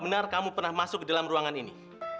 benar kamu pernah masuk ke dalam ruangan ini